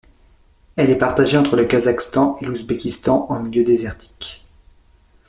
Elle est partagée entre le Kazakhstan et l'Ouzbékistan, en milieu désertique.